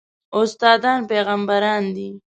استادان پېغمبران دي